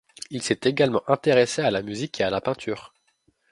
Il s'est également intéressé à la musique et à la peinture.